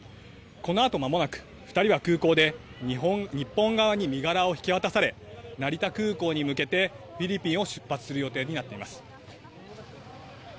このあとまもなく、２人は空港で日本側に身柄を引き渡され、成田空港に向けてフィリピンを出発する予定になっています。